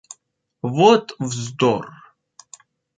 Вот вздор!